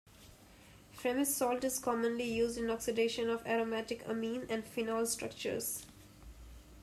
Fremy's salt is commonly used in oxidation of aromatic amine and phenol structures.